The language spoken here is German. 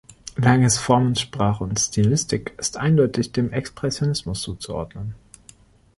Langes Formensprache und Stilistik ist eindeutig dem Expressionismus zuzuordnen.